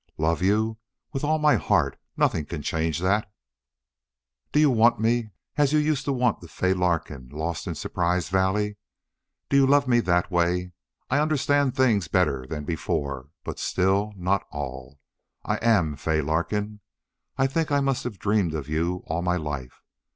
"Love you? With all my heart! Nothing can change that!" "Do you want me as you used to want the Fay Larkin lost in Surprise Valley? Do you love me that way? I understand things better than before, but still not all. I AM Fay Larkin. I think I must have dreamed of you all my life.